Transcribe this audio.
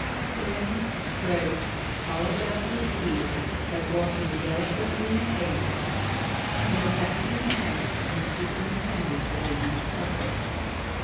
Slim, straight, hollowed out with fear, but walking delicately ahead, she went back to the house and superintended the babies' supper.